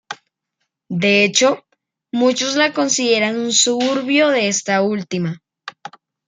De hecho, muchos la consideran un suburbio de esta última.